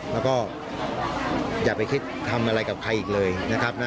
แล้วก็อย่าไปคิดทำอะไรกับใครอีกเลยนะครับ